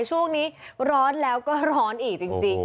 ช่วงนี้ร้อนแล้วก็ร้อนอีกจริง